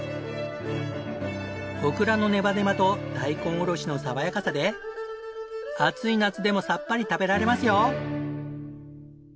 オクラのネバネバと大根おろしの爽やかさで暑い夏でもさっぱり食べられますよ。